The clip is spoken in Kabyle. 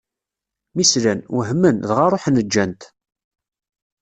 Mi slan, wehmen, dɣa ṛuḥen ǧǧan-t.